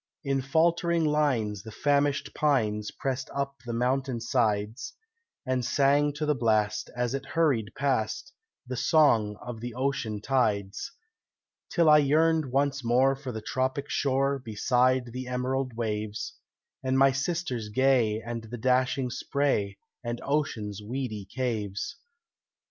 In faltering lines, the famished pines Pressed up the mountain sides, And sang to the blast, as it hurried past, The song of the ocean tides, Till I yearned once more for the tropic shore Beside the emerald waves, And my sisters gay and the dashing spray And ocean's weedy caves.